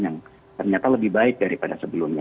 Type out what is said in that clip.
yang ternyata lebih baik daripada sebelumnya